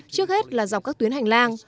trước hết là dọc các tuyến hành lang